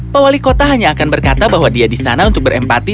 pak wali kota hanya akan berkata bahwa dia di sana untuk berempati